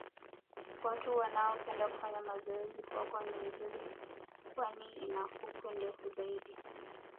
watu wanaopenda kufanya mazoezi coco ni nzuri kwani ina fukwe ndefu zaidi